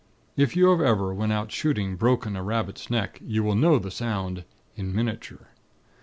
If you have ever, when out shooting, broken a rabbit's neck, you will know the sound in miniature!